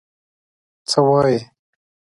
څه وايې؟